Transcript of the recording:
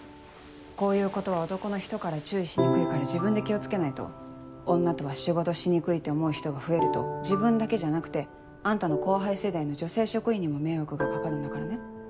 こういうことは男の人から注意しにくいから自分で気を付けないと女とは仕事しにくいって思う人が増えると自分だけじゃなくてあんたの後輩世代の女性職員にも迷惑が掛かるんだからね